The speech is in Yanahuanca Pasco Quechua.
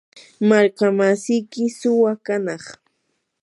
markamasiyki suwa kanaq.